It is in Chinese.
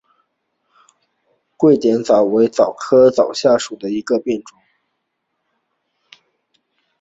洼点蓼为蓼科蓼属下的一个变种。